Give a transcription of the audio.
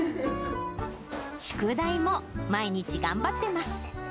宿題も毎日頑張ってます。